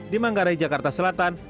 di manggarai jakarta selatan